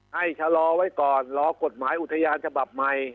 ชะลอไว้ก่อนรอกฎหมายอุทยานฉบับใหม่